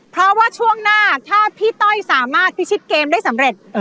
เพราะว่าช่วงหน้าถ้าพี่ต้อยสามารถพิชิตเกมได้สำเร็จ